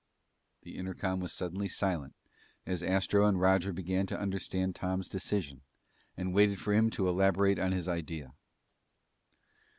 The intercom was suddenly silent as Astro and Roger began to understand Tom's decision and waited for him to elaborate on his idea.